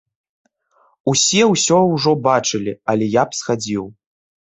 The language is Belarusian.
Усе ўсё ўжо бачылі, але я б схадзіў.